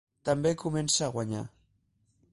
També comença a guanyar.